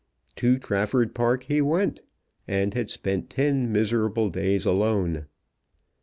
To Trafford Park he went, and had spent ten miserable days alone.